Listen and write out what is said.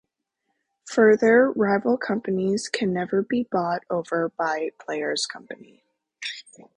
Further, rival companies can never be bought over by the player's company.